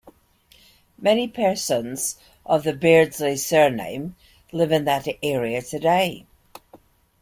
Many persons of the Beardsley surname live in that area today.